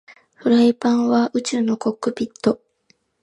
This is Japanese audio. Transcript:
フライパンは宇宙のコックピット